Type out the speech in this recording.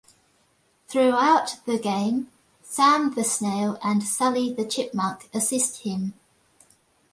Throughout the game, Sam the Snail and Sally the Chipmunk assist him.